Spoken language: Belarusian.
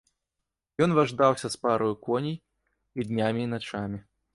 Ён важдаўся з параю коней і днямі і начамі.